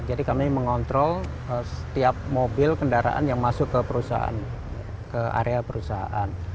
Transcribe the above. jadi kami mengontrol setiap mobil kendaraan yang masuk ke perusahaan ke area perusahaan